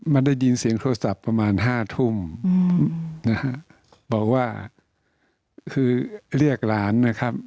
มันได้ยินเสียงโทรศัพท์ประมาณห้าทุ่มนะฮะบอกว่าคือเรียกหลานนะครับ